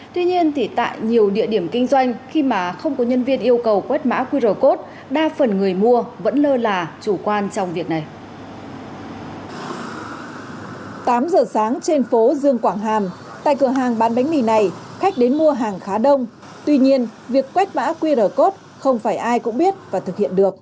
tuy nhiên tại nhiều địa điểm kinh doanh khi mà không có nhân viên yêu cầu quét mã qr code không phải ai cũng biết và thực hiện được